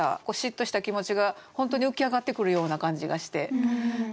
嫉妬した気持ちが本当に浮き上がってくるような感じがして。